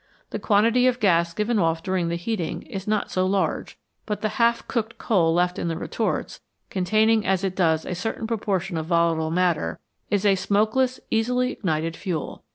The quantity of gas given off' during the heating is not so large, but the half coked coal left in the retorts, contain ing as it does a certain proportion of volatile matter, is a smokeless, easily ignited fuel.